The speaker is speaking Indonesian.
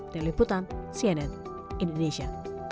diliputan cnn indonesia